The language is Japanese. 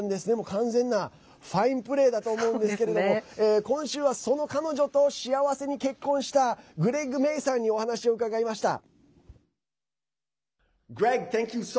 完全なファインプレーだと思うんですけれども今週はその彼女と幸せに結婚したグレッグ・メイさんにお話を伺いました。